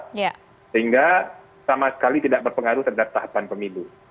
sehingga sama sekali tidak berpengaruh terhadap tahapan pemilu